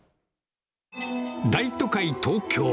大都会、東京。